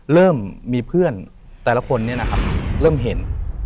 เริ่มมีเพื่อน